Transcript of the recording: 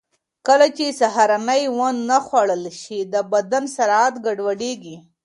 کله چې سهارنۍ ونه خورل شي، د بدن ساعت ګډوډ کېږي.